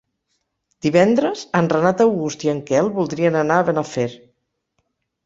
Divendres en Renat August i en Quel voldrien anar a Benafer.